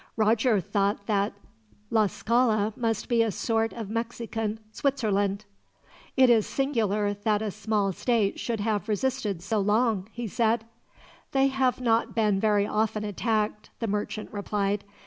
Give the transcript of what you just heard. Roger thought that Tlascala must be a sort of Mexican Switzerland. "It is singular that a small state should have resisted so long," he said. "They have not been very often attacked," the merchant replied.